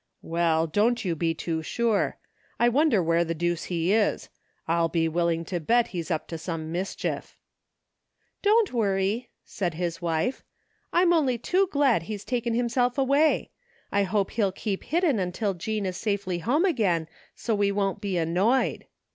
"Well, don't you be too sure. I wonder where the deuce he is. I'll be willing to bet he's up to some mischief." " Dion't worry," said his wife, " I'm only too glad he's taken himself away. I hope he'll keep hidden until Jean is safely home again so we won't be annoyed."